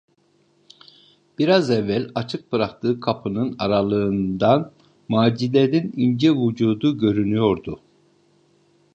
Biraz evvel açık bıraktığı kapının aralığından Macide’nin ince vücudu görünüyordu.